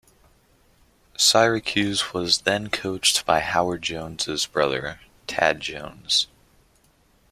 Syracuse was then coached by Howard Jones's brother, Tad Jones.